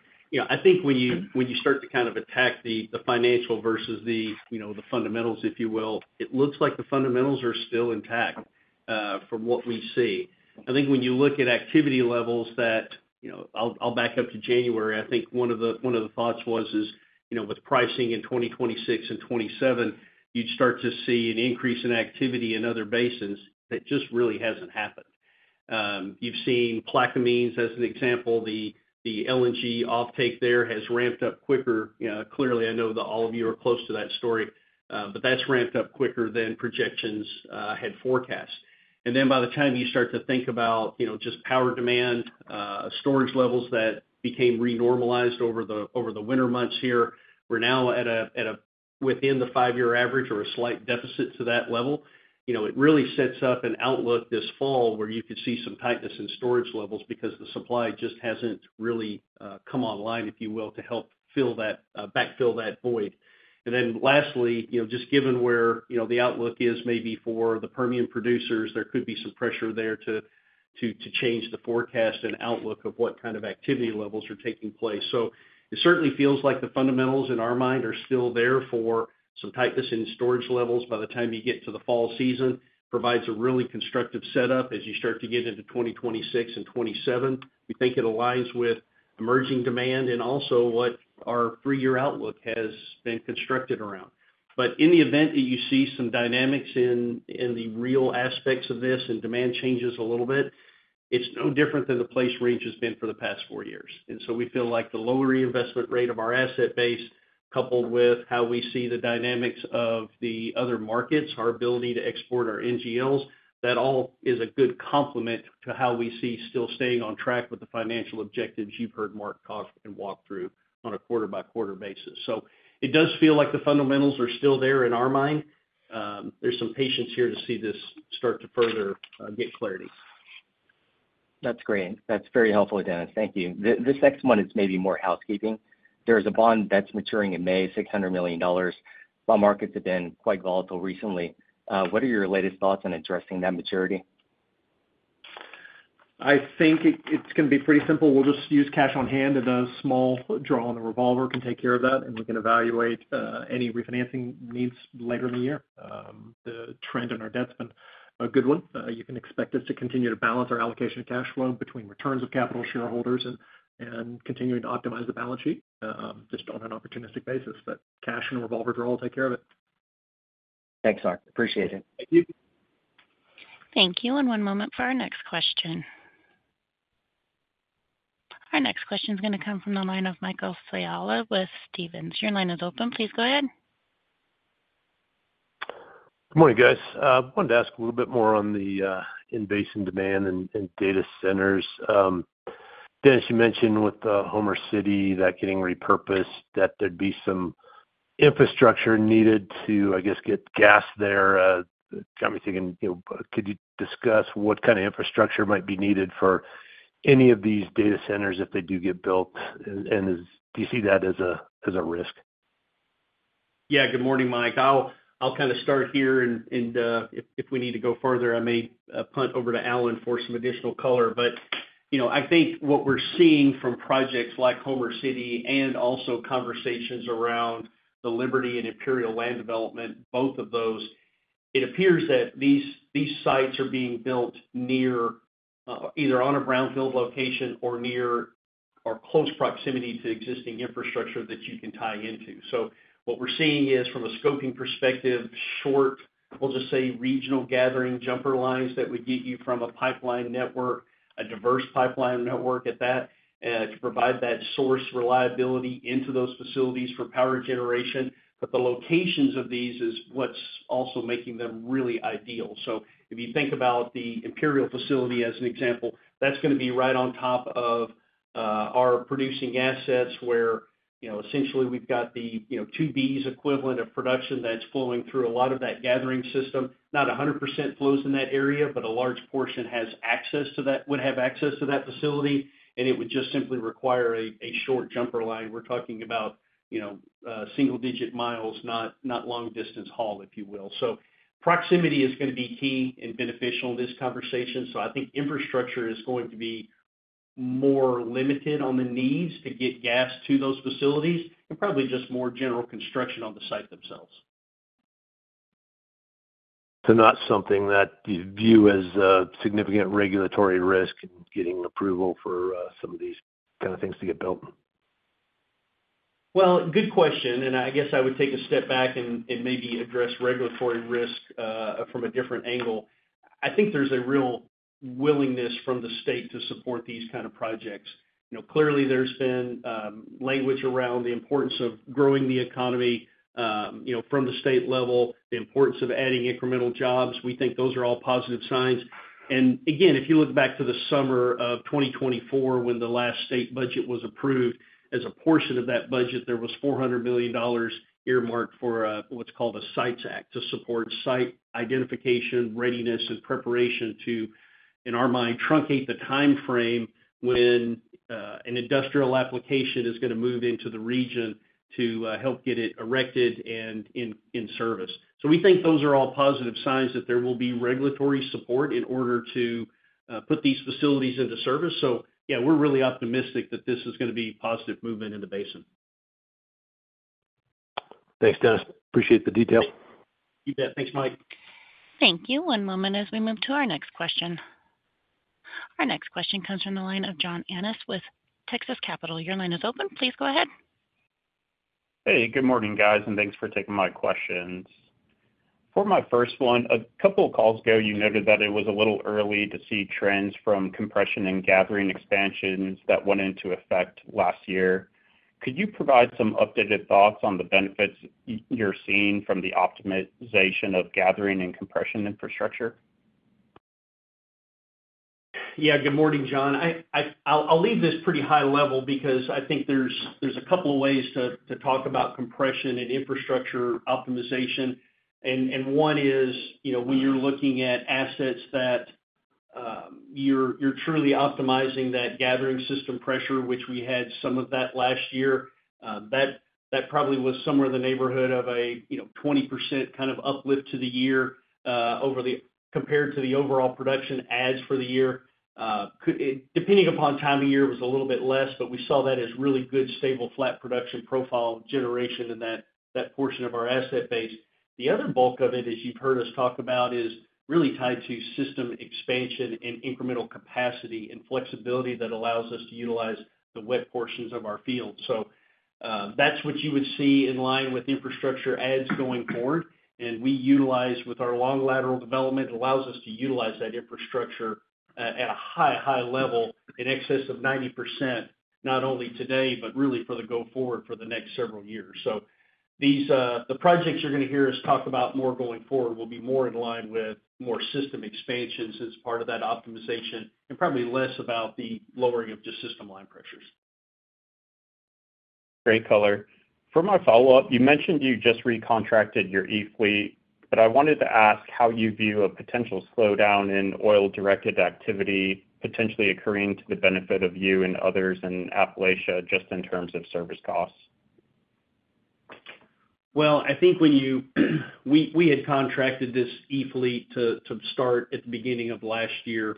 I think when you start to kind of attack the financial versus the fundamentals, if you will, it looks like the fundamentals are still intact from what we see. I think when you look at activity levels that I'll back up to January. I think one of the thoughts was with pricing in 2026 and 2027, you'd start to see an increase in activity in other basins that just really hasn't happened. You've seen Plaquemines as an example. The LNG offtake there has ramped up quicker. Clearly, I know that all of you are close to that story, but that's ramped up quicker than projections had forecast. By the time you start to think about just power demand, storage levels that became renormalized over the winter months here, we are now at a within the five-year average or a slight deficit to that level. It really sets up an outlook this fall where you could see some tightness in storage levels because the supply just has not really come online, if you will, to help backfill that void. Lastly, just given where the outlook is maybe for the Permian producers, there could be some pressure there to change the forecast and outlook of what kind of activity levels are taking place. It certainly feels like the fundamentals in our mind are still there for some tightness in storage levels by the time you get to the fall season, provides a really constructive setup as you start to get into 2026 and 2027. We think it aligns with emerging demand and also what our three-year outlook has been constructed around. In the event that you see some dynaMikes in the real aspects of this and demand changes a little bit, it's no different than the place Range has been for the past four years. We feel like the lower reinvestment rate of our asset base, coupled with how we see the dynaMikes of the other markets, our ability to export our NGLs, that all is a good complement to how we see still staying on track with the financial objectives you've heard Mark talk and walk through on a quarter-by-quarter basis. It does feel like the fundamentals are still there in our mind. There's some patience here to see this start to further get clarity. That's great. That's very helpful, Dennis. Thank you. This next one is maybe more housekeeping. There is a bond that's maturing in May, $600 million. Bond markets have been quite volatile recently. What are your latest thoughts on addressing that maturity? I think it's going to be pretty simple. We'll just use cash on hand, and a small draw on the revolver can take care of that. We can evaluate any refinancing needs later in the year. The trend in our debt's been a good one. You can expect us to continue to balance our allocation of cash flow between returns of capital shareholders and continuing to optimize the balance sheet just on an opportunistic basis. Cash and a revolver draw will take care of it. Thanks, Mark. Appreciate it. Thank you. Thank you. One moment for our next question. Our next question is going to come from the lineMichael Scialla with Stephens. Your line is open. Please go ahead. Good morning, guys. I wanted to ask a little bit more on the in-basin demand and data centers. Dennis, you mentioned with Homer City that getting repurposed, that there'd be some infrastructure needed to, I guess, get gas there. It got me thinking. Could you discuss what kind of infrastructure might be needed for any of these data centers if they do get built? And do you see that as a risk? Yeah. Good morning, Mike. I'll kind of start here. If we need to go further, I may punt over to Alan for some additional color. I think what we're seeing from projects like Homer City and also conversations around the Liberty and Imperial Land development, both of those, it appears that these sites are being built near either on a brownfield location or near or close proximity to existing infrastructure that you can tie into. What we're seeing is, from a scoping perspective, short, we'll just say regional gathering jumper lines that would get you from a pipeline network, a diverse pipeline network at that, to provide that source reliability into those facilities for power generation. The locations of these is what's also making them really ideal. If you think about the Imperial facility as an example, that's going to be right on top of our producing assets where essentially we've got the 2 BCF equivalent of production that's flowing through a lot of that gathering system. Not 100% flows in that area, but a large portion has access to that, would have access to that facility. It would just simply require a short jumper line. We're talking about single-digit miles, not long-distance haul, if you will. Proximity is going to be key and beneficial in this conversation. I think infrastructure is going to be more limited on the needs to get gas to those facilities and probably just more general construction on the site themselves. Is that something that you view as a significant regulatory risk in getting approval for some of these kind of things to get built? Good question. I guess I would take a step back and maybe address regulatory risk from a different angle. I think there's a real willingness from the state to support these kind of projects. Clearly, there's been language around the importance of growing the economy from the state level, the importance of adding incremental jobs. We think those are all positive signs. Again, if you look back to the summer of 2024 when the last state budget was approved, as a portion of that budget, there was $400 million earmarked for what's called a SITES Act to support site identification, readiness, and preparation to, in our mind, truncate the timeframe when an industrial application is going to move into the region to help get it erected and in service. We think those are all positive signs that there will be regulatory support in order to put these facilities into service. Yeah, we're really optimistic that this is going to be a positive movement in the basin. Thanks, Dennis. Appreciate the detail. You bet. Thanks, Mike. Thank you. One moment as we move to our next question. Our next question comes from the line of John Ennis with Texas Capital. Your line is open. Please go ahead. Hey. Good morning, guys. Thanks for taking my questions. For my first one, a couple of calls ago, you noted that it was a little early to see trends from compression and gathering expansions that went into effect last year. Could you provide some updated thoughts on the benefits you're seeing from the optimization of gathering and compression infrastructure? Yeah. Good morning, John. I'll leave this pretty high level because I think there's a couple of ways to talk about compression and infrastructure optimization. One is when you're looking at assets that you're truly optimizing that gathering system pressure, which we had some of that last year, that probably was somewhere in the neighborhood of a 20% kind of uplift to the year compared to the overall production ads for the year. Depending upon time of year, it was a little bit less, but we saw that as really good, stable, flat production profile generation in that portion of our asset base. The other bulk of it, as you've heard us talk about, is really tied to system expansion and incremental capacity and flexibility that allows us to utilize the wet portions of our field. That's what you would see in line with infrastructure ads going forward. We utilize, with our long lateral development, it allows us to utilize that infrastructure at a high, high level in excess of 90%, not only today, but really for the go forward for the next several years. The projects you're going to hear us talk about more going forward will be more in line with more system expansions as part of that optimization and probably less about the lowering of just system line pressures. Great color. For my follow-up, you mentioned you just recontracted your, but I wanted to ask how you view a potential slowdown in oil-directed activity potentially occurring to the benefit of you and others in Appalachia just in terms of service costs. I think when you we had contracted this e-fleet to start at the beginning of last year.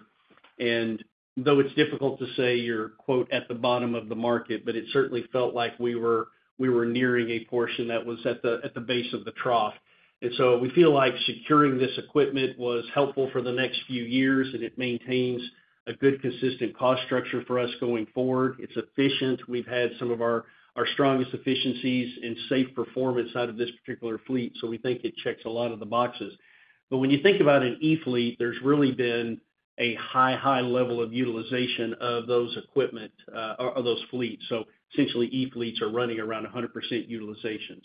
Though it's difficult to say you're "at the bottom of the market," it certainly felt like we were nearing a portion that was at the base of the trough. We feel like securing this equipment was helpful for the next few years, and it maintains a good consistent cost structure for us going forward. It's efficient. We've had some of our strongest efficiencies and safe performance out of this particular fleet. We think it checks a lot of the boxes. When you think about an e-fleet, there's really been a high, high level of utilization of those equipment or those-fleets. Essentially, e-fleets are running around 100% utilization.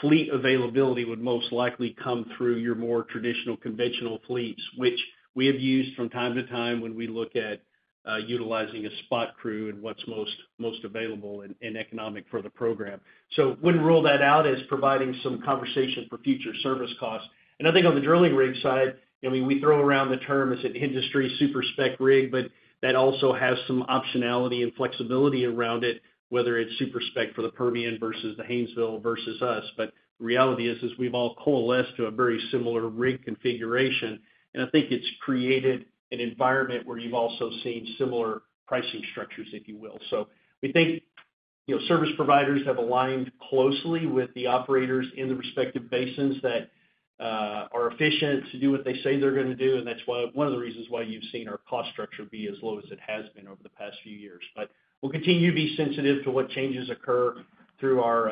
Fleet availability would most likely come through your more traditional conventional fleets, which we have used from time to time when we look at utilizing a spot crew and what's most available and economic for the program. We'd rule that out as providing some conversation for future service costs. I think on the drilling rig side, I mean, we throw around the term as an industry super-spec rig, but that also has some optionality and flexibility around it, whether it's super-spec for the Permian versus the Haynesville versus us. The reality is, we've all coalesced to a very similar rig configuration. I think it's created an environment where you've also seen similar pricing structures, if you will. We think service providers have aligned closely with the operators in the respective basins that are efficient to do what they say they're going to do. That is one of the reasons why you've seen our cost structure be as low as it has been over the past few years. We'll continue to be sensitive to what changes occur through our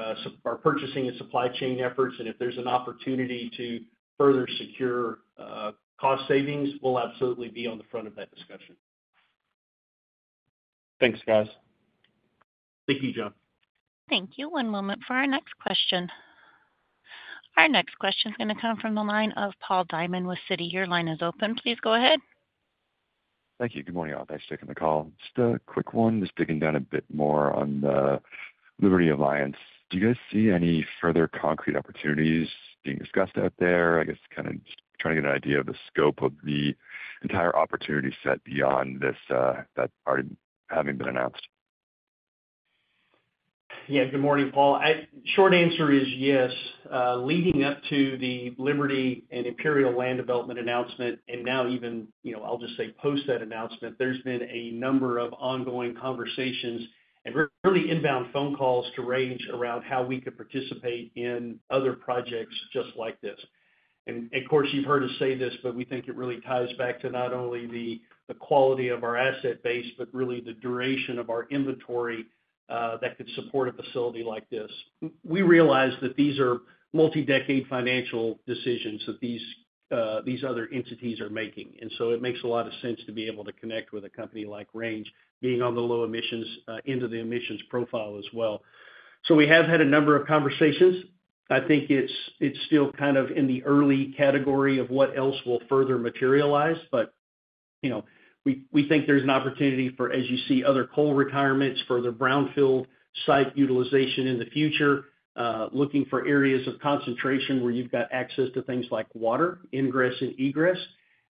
purchasing and supply chain efforts. If there's an opportunity to further secure cost savings, we'll absolutely be on the front of that discussion. Thanks, guys. Thank you, John. Thank you. One moment for our next question. Our next question is going to come from the line of Paul Diamond with Citi. Your line is open. Please go ahead. Thank you. Good morning, all. Thanks for taking the call. Just a quick one, just digging down a bit more on the Liberty Alliance. Do you guys see any further concrete opportunities being discussed out there? I guess kind of just trying to get an idea of the scope of the entire opportunity set beyond this that already having been announced. Yeah. Good morning, Paul. Short answer is yes. Leading up to the Liberty and Imperial Land development announcement, and now even, I'll just say post that announcement, there's been a number of ongoing conversations and really inbound phone calls to Range around how we could participate in other projects just like this. Of course, you've heard us say this, but we think it really ties back to not only the quality of our asset base, but really the duration of our inventory that could support a facility like this. We realize that these are multi-decade financial decisions that these other entities are making. It makes a lot of sense to be able to connect with a company like Range being on the low emissions end of the emissions profile as well. We have had a number of conversations. I think it's still kind of in the early category of what else will further materialize. We think there's an opportunity for, as you see, other coal retirements, further brownfield site utilization in the future, looking for areas of concentration where you've got access to things like water, ingress and egress,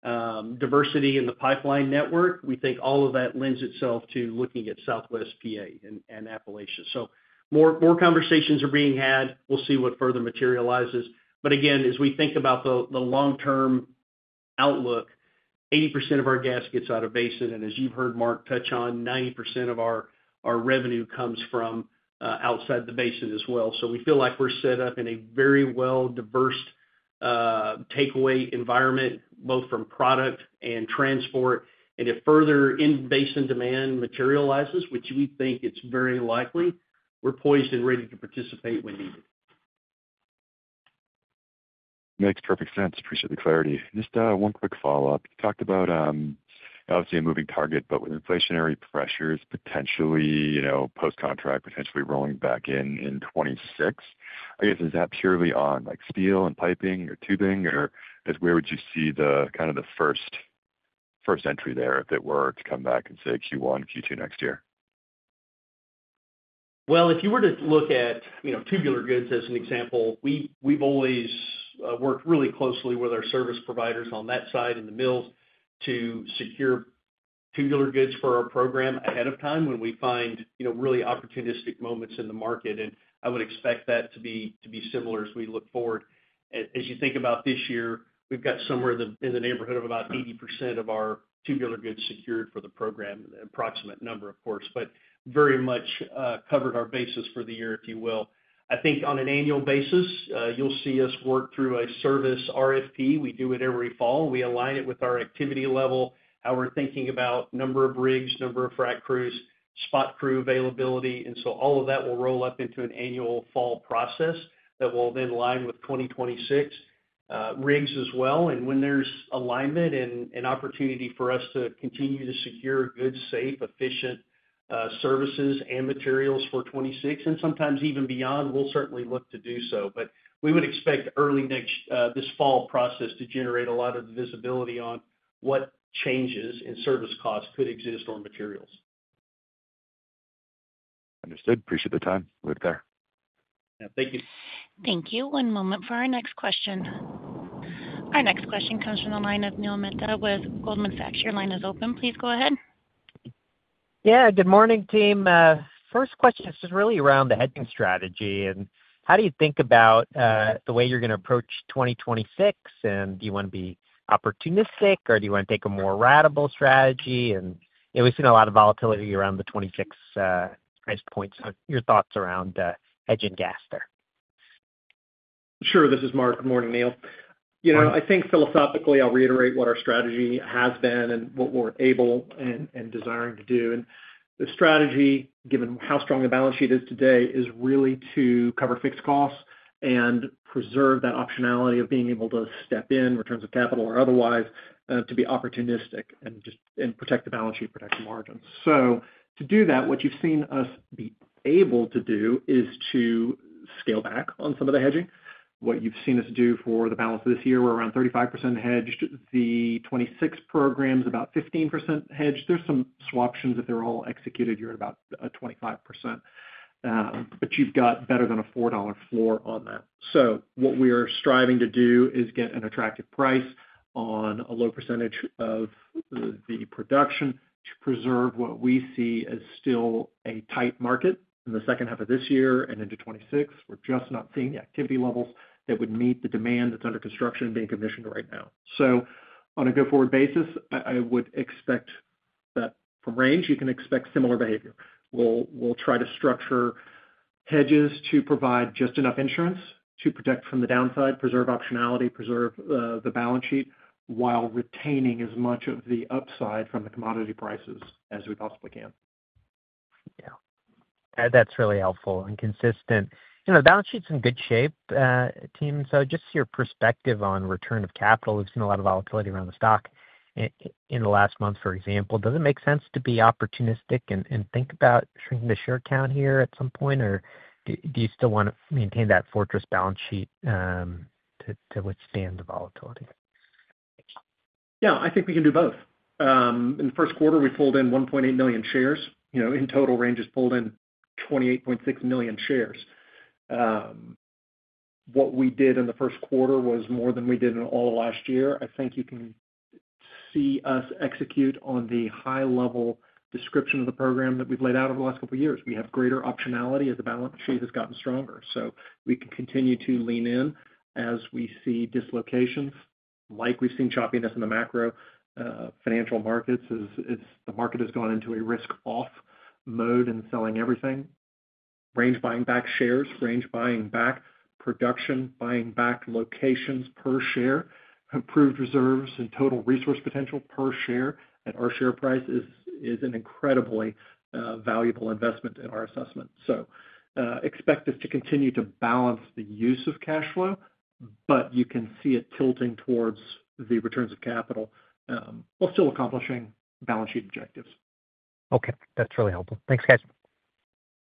diversity in the pipeline network. We think all of that lends itself to looking at Southwest PA and Appalachia. More conversations are being had. We'll see what further materializes. Again, as we think about the long-term outlook, 80% of our gas gets out of basin. As you've heard Mark touch on, 90% of our revenue comes from outside the basin as well. We feel like we're set up in a very well-diverse takeaway environment, both from product and transport. If further in-basin demand materializes, which we think it's very likely, we're poised and ready to participate when needed. Makes perfect sense. Appreciate the clarity. Just one quick follow-up. You talked about, obviously, a moving target, but with inflationary pressures, potentially post-contract, potentially rolling back in in 2026. I guess, is that purely on steel and piping or tubing? Or where would you see kind of the first entry there, if it were, to come back and say Q1, Q2 next year? If you were to look at tubular goods as an example, we've always worked really closely with our service providers on that side in the mills to secure tubular goods for our program ahead of time when we find really opportunistic moments in the market. I would expect that to be similar as we look forward. As you think about this year, we've got somewhere in the neighborhood of about 80% of our tubular goods secured for the program, an approximate number, of course, but very much covered our basis for the year, if you will. I think on an annual basis, you'll see us work through a service RFP. We do it every fall. We align it with our activity level, how we're thinking about number of rigs, number of frac crews, spot crew availability. All of that will roll up into an annual fall process that will then align with 2026 rigs as well. When there is alignment and opportunity for us to continue to secure good, safe, efficient services and materials for 2026, and sometimes even beyond, we will certainly look to do so. We would expect early this fall process to generate a lot of visibility on what changes in service costs could exist or materials. Understood. Appreciate the time. We'll leave it there. Yeah. Thank you. Thank you. One moment for our next question. Our next question comes from the line of Neil Mehta with Goldman Sachs. Your line is open. Please go ahead. Yeah. Good morning, team. First question is just really around the hedging strategy. How do you think about the way you're going to approach 2026? Do you want to be opportunistic, or do you want to take a more radical strategy? We've seen a lot of volatility around the 2026 price points. Your thoughts around hedging gas there? Sure. This is Mark. Good morning, Neil. I think philosophically, I'll reiterate what our strategy has been and what we're able and desiring to do. The strategy, given how strong the balance sheet is today, is really to cover fixed costs and preserve that optionality of being able to step in, returns of capital or otherwise, to be opportunistic and protect the balance sheet, protect the margins. To do that, what you've seen us be able to do is to scale back on some of the hedging. What you've seen us do for the balance of this year, we're around 35% hedged. The 2026 program is about 15% hedged. There's some swaptions that they're all executed. You're at about 25%. You've got better than a $4 floor on that. What we are striving to do is get an attractive price on a low percentage of the production to preserve what we see as still a tight market in the second half of this year and into 2026. We are just not seeing the activity levels that would meet the demand that is under construction being commissioned right now. On a go forward basis, I would expect that from Range, you can expect similar behavior. We will try to structure hedges to provide just enough insurance to protect from the downside, preserve optionality, preserve the balance sheet while retaining as much of the upside from the commodity prices as we possibly can. Yeah. That's really helpful and consistent. The balance sheet's in good shape, team. Just your perspective on return of capital. We've seen a lot of volatility around the stock in the last month, for example. Does it make sense to be opportunistic and think about shrinking the share count here at some point? Do you still want to maintain that fortress balance sheet to withstand the volatility? Yeah. I think we can do both. In the Q1, we pulled in 1.8 million shares. In total, Range has pulled in 28.6 million shares. What we did in the Q1 was more than we did in all of last year. I think you can see us execute on the high-level description of the program that we've laid out over the last couple of years. We have greater optionality as the balance sheet has gotten stronger. We can continue to lean in as we see dislocations, like we've seen choppiness in the macro financial markets as the market has gone into a risk-off mode and selling everything. Range buying back shares, Range buying back production, buying back locations per share, approved reserves, and total resource potential per share at our share price is an incredibly valuable investment in our assessment. Expect us to continue to balance the use of cash flow, but you can see it tilting towards the returns of capital, while still accomplishing balance sheet objectives. Okay. That's really helpful. Thanks, guys.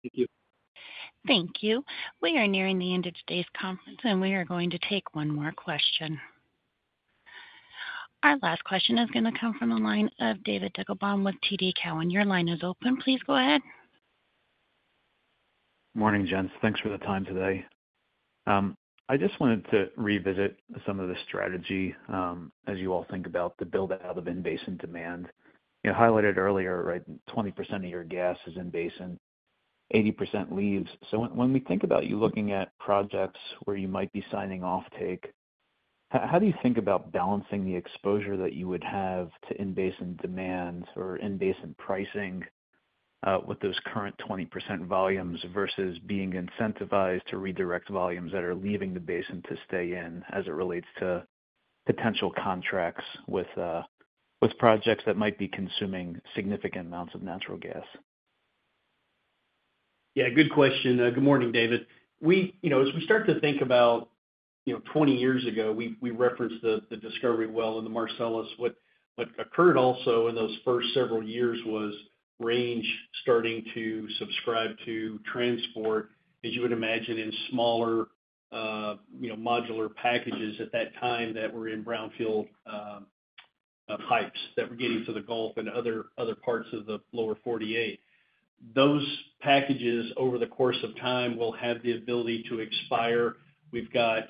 Thank you. Thank you. We are nearing the end of today's conference, and we are going to take one more question. Our last question is going to come from the line of David Deckelbaum with TD Cowen. Your line is open. Please go ahead. Morning, gents. Thanks for the time today. I just wanted to revisit some of the strategy as you all think about the buildout of in-basin demand. You highlighted earlier, right, 20% of your gas is in-basin, 80% leaves. When we think about you looking at projects where you might be signing offtake, how do you think about balancing the exposure that you would have to in-basin demand or in-basin pricing with those current 20% volumes versus being incentivized to redirect volumes that are leaving the basin to stay in as it relates to potential contracts with projects that might be consuming significant amounts of natural gas? Yeah. Good question. Good morning, David. As we start to think about 20 years ago, we referenced the discovery well and the Marcellus. What occurred also in those first several years was Range starting to subscribe to transport, as you would imagine, in smaller modular packages at that time that were in brownfield pipes that were getting to the Gulf and other parts of the Lower 48. Those packages, over the course of time, will have the ability to expire. We've got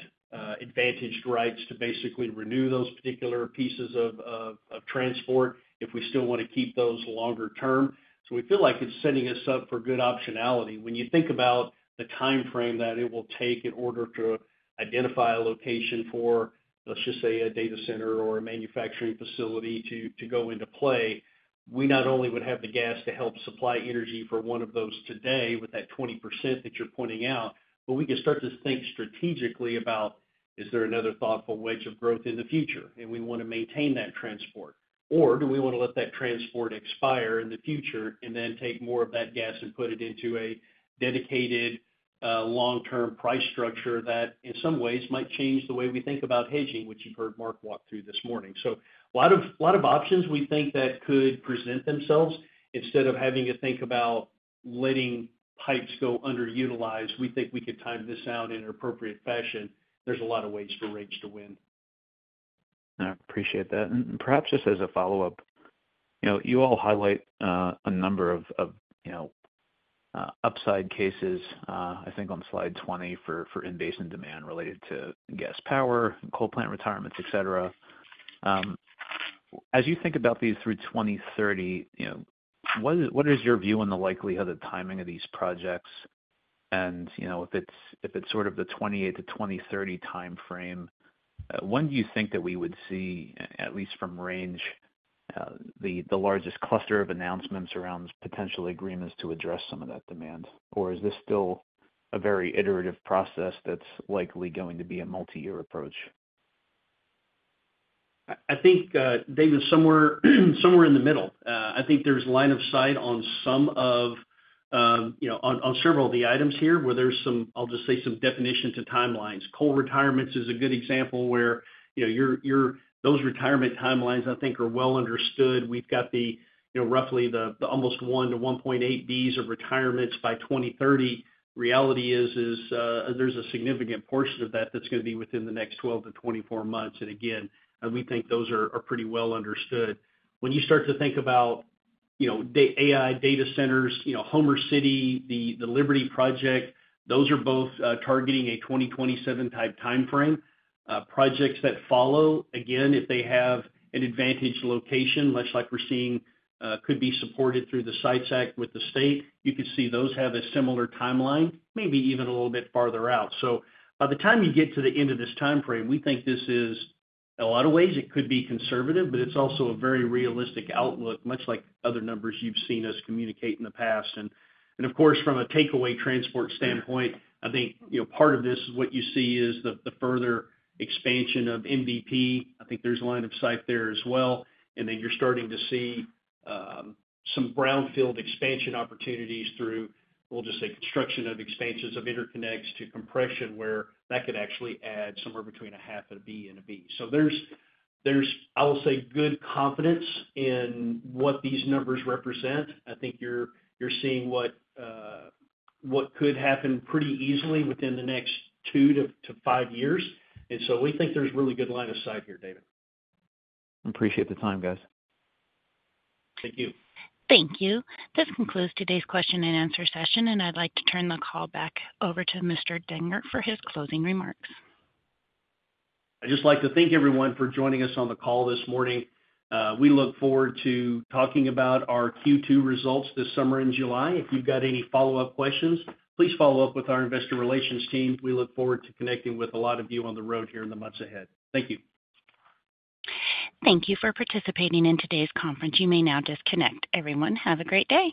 advantaged rights to basically renew those particular pieces of transport if we still want to keep those longer term. So we feel like it's setting us up for good optionality. When you think about the timeframe that it will take in order to identify a location for, let's just say, a data center or a manufacturing facility to go into play, we not only would have the gas to help supply energy for one of those today with that 20% that you're pointing out, but we can start to think strategically about, is there another thoughtful wedge of growth in the future? We want to maintain that transport. Or do we want to let that transport expire in the future and then take more of that gas and put it into a dedicated long-term price structure that, in some ways, might change the way we think about hedging, which you've heard Mark walk through this morning. A lot of options we think that could present themselves. Instead of having to think about letting pipes go underutilized, we think we could time this out in an appropriate fashion. There's a lot of ways for Range to win. I appreciate that. Perhaps just as a follow-up, you all highlight a number of upside cases, I think, on slide 20 for in-basin demand related to gas power, coal plant retirements, etc. As you think about these through 2030, what is your view on the likelihood or timing of these projects? If it is sort of the 2028 to 2023 timeframe, when do you think that we would see, at least from Range, the largest cluster of announcements around potential agreements to address some of that demand? Or is this still a very iterative process that is likely going to be a multi-year approach? I think, David, somewhere in the middle. I think there's line of sight on some of on several of the items here where there's some, I'll just say, some definition to timelines. Coal retirements is a good example where those retirement timelines, I think, are well understood. We've got roughly the almost 1 to 1.8 of retirements by 2030. Reality is there's a significant portion of that that's going to be within the next 12 to 24 months. Again, we think those are pretty well understood. When you start to think about AI data centers, Homer City, the Liberty Project, those are both targeting a 2027-type timeframe. Projects that follow, again, if they have an advantage location, much like we're seeing, could be supported through the SITES Act with the state, you could see those have a similar timeline, maybe even a little bit farther out. By the time you get to the end of this timeframe, we think this is, in a lot of ways, it could be conservative, but it's also a very realistic outlook, much like other numbers you've seen us communicate in the past. Of course, from a takeaway transport standpoint, I think part of this is what you see is the further expansion of MVP. I think there's line of sight there as well. Then you're starting to see some brownfield expansion opportunities through, we'll just say, construction of expansions of interconnects to compression where that could actually add somewhere between a half and a B and a B. There's, I'll say, good confidence in what these numbers represent. I think you're seeing what could happen pretty easily within the next two to five years. We think there's really good line of sight here, David. Appreciate the time, guys. Thank you. Thank you. This concludes today's question and answer session. I would like to turn the call back over to Mr. Degner for his closing remarks. I'd just like to thank everyone for joining us on the call this morning. We look forward to talking about our Q2 results this summer in July. If you've got any follow-up questions, please follow up with our investor relations team. We look forward to connecting with a lot of you on the road here in the months ahead. Thank you. Thank you for participating in today's conference. You may now disconnect. Everyone, have a great day.